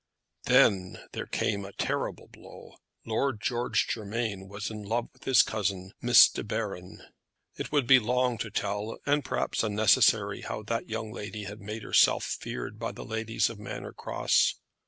Then there came a terrible blow. Lord George Germain was in love with his cousin, Miss De Baron! It would be long to tell, and perhaps unnecessary, how that young lady had made herself feared by the ladies of Manor Cross.